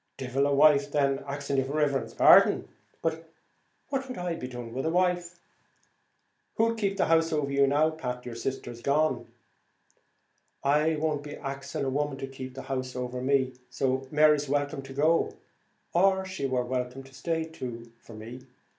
"Devil a wife, then, axing your riverence's pardon. What'd I be doing with a wife?" "Who'll keep the house over you now, Pat, your sister's as good as gone?" "I won't be axing a woman to keep the house over me; so Mary's welcome to go; or, she wor welcome to stay, too, for me.